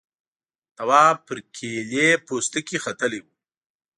تواب پر کيلې پوستکي ختلی و.